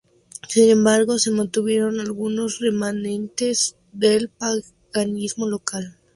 Sin embargo, se mantuvieron algunos remanentes del paganismo local.